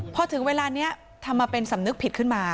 พอถึงเวลานี้ทำมาเป็นสำนึกผิดขึ้นมา